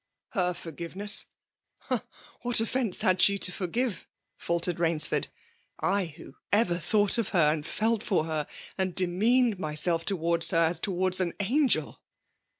'* Her forgiveness ? Ah ! what offence had she to forgive !" faltered Rainsford. '* I, who ever thought of her, and felt for her, and demeaned myself towards her, as towards an angel